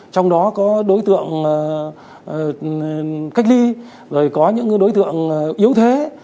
trong đó có đối tượng cách ly rồi có những đối tượng yếu thế